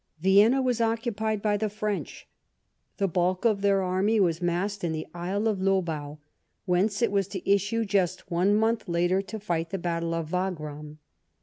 Vienna was occupied by the French. The bulk of their army was massed in the Isle of Lobau, whence it was to issue just one month later to fight the battle of Wagram.